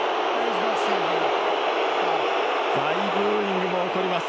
大ブーイングが起こります。